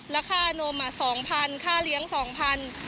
แล้วค่านม๒๐๐ค่าเลี้ยง๒๐๐บาท